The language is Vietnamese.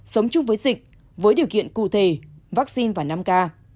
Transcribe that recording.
sống chung với dịch với điều kiện cụ thể vaccine và năm k